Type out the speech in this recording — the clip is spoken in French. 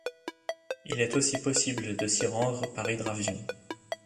Il est aussi possible de s'y rendre par hydravion.